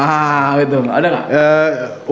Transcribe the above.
wah gitu ada gak